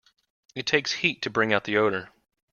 It takes heat to bring out the odor.